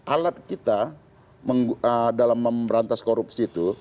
alat kita dalam memberantas korupsi itu